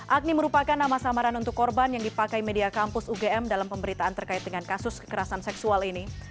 agni merupakan nama samaran untuk korban yang dipakai media kampus ugm dalam pemberitaan terkait dengan kasus kekerasan seksual ini